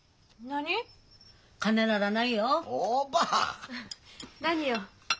何よ？